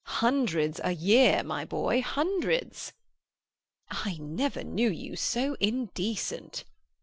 Hundreds a year, my boy—hundreds." "I never knew you so indecent."